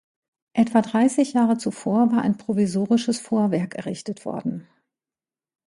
Etwa dreissig Jahre zuvor war ein provisorisches Vorwerk errichtet worden.